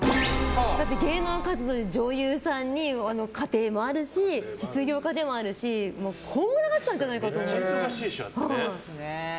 だって、芸能活動に女優さんに家庭もあるし実業家でもあるしこんがらがっちゃうとめっちゃ忙しいでしょ。